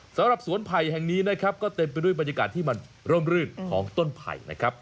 สำหรับสวนไผ่แห่งนี้นะครับก็เต็มไปด้วยบรรยากาศที่มันร่มรื่นของต้นไผ่นะครับ